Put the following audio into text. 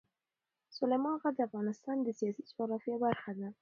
سلیمان غر د افغانستان د سیاسي جغرافیه برخه ده.